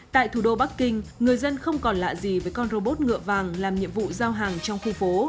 tại thủ đô bắc kinh người dân không còn lạ gì với con robot ngựa vàng làm nhiệm vụ giao hàng trong khu phố